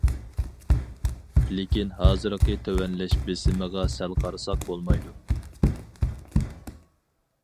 لېكىن ھازىرقى تۆۋەنلەش بېسىمىغا سەل قارىساق بولمايدۇ.